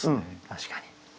確かに。